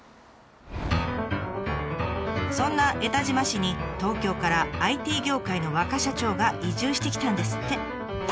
そんな江田島市に東京からＩＴ業界の若社長が移住してきたんですって。